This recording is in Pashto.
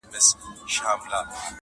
هغه لمرونو هغه واورو آزمېیلی چنار-